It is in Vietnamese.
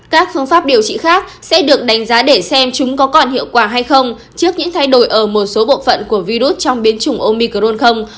các phương pháp điều trị khác sẽ được đánh giá để xem chúng có còn hiệu quả hay không trước những thay đổi ở một số bộ phận của virus trong biến chủng omicron không